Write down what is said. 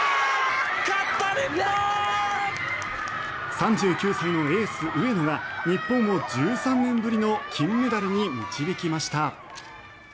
３９歳のエース上野が日本を１３年ぶりの金メダルに導きました。